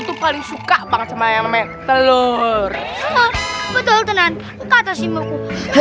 tuh paling suka banget sama yang telur betul tenan kata simboku